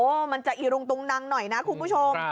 โอ้มันจะอิรุงตรงนังหน่อยนะครูผู้ชม